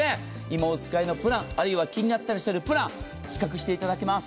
今お使いのプラン、あるいは気になっているプラン、比較していただけます。